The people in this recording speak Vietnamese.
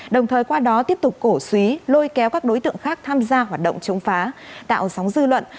đồng thời qua đó tiếp tục cổ suý lôi kéo các đối tượng khác tham gia hoạt động chống phá tạo sóng dư luận